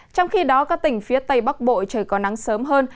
trong khi đó các tỉnh phía tây bắc bộ trời có nắng sớm hơn